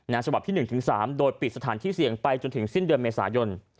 ในชวบที่หนึ่งถึงสามโดดปิดสถานที่เสียงไปจนถึงสิ้นเดือนเมษายน